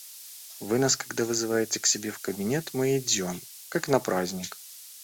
Вы нас когда вызываете к себе в кабинет, мы идем, как на праздник!